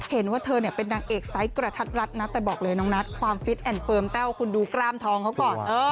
เห็นว่าเธอเนี่ยเป็นนางเอกไซส์กระทัดรัดนะแต่บอกเลยน้องนัทความฟิตแอนด์เฟิร์มแต้วคุณดูกล้ามทองเขาก่อน